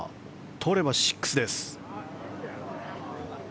取れば６です。